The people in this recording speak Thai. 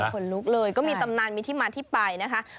ขนลุกเลยก็มีตำนานมีที่มาที่ไปนะคะ